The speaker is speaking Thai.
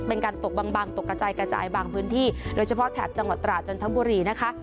เป็นการตกบางตกกระจายกระจายบางพื้นที่โดยเฉพาะแถบจังหวัดตราจันทบุรีนะคะ